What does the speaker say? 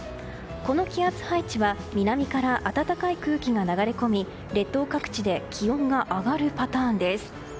この気圧配置は南から暖かい空気が流れ込み列島各地で気温が上がるパターンです。